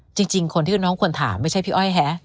จริงคนที่น้องควรถามไม่ใช่พี่อ้อยฮะ